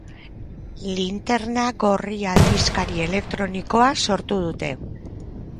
Linterna Gorria aldizkari elektronikoa sortu dute.